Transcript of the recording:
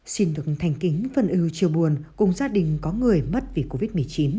xin được thành kính phân ưu chiều buồn cùng gia đình có người mất vì covid một mươi chín